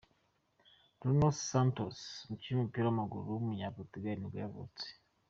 Nuno Santos, umukinnyi w’umupira w’amaguru w’umunya-Portugal nibwo yavutse.